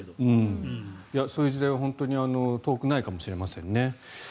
そういう時代が、本当に遠くないかもしれませんね。